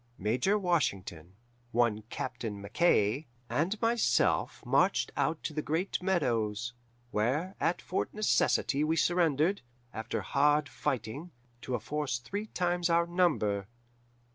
Major Washington, one Captain Mackaye, and myself marched out to the Great Meadows, where at Fort Necessity we surrendered, after hard fighting, to a force three times our number.